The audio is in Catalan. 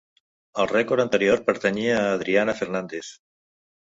El rècord anterior pertanyia a Adriana Fernández.